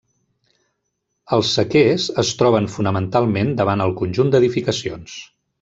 Els sequers es troben fonamentalment davant el conjunt d'edificacions.